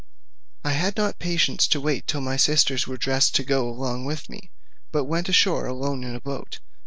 I had not patience to wait till my sisters were dressed to go along with me, but went ashore alone in the boat.